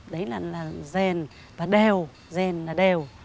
đấy là rền và đều rền là đều